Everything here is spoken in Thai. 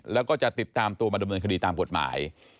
แล้วก็จะติดตามตัวมาดำเนินคดีตามกฎหมาย